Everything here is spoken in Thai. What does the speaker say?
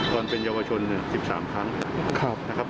วันเป็นเยาวชน๑๓ครั้งนะครับ